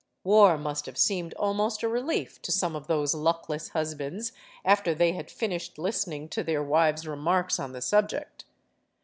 War must have seemed almost a relief to some of those luckless husbands after they had finished listening to their wives' remarks on the subject.